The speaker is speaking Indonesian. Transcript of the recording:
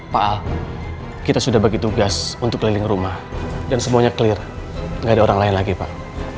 pak al kita sudah bagi tugas untuk keliling rumah dan semuanya clear nggak ada orang lain lagi pak